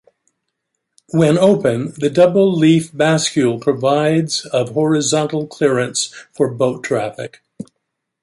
When open, the double-leaf bascule provides of horizontal clearance for boat traffic.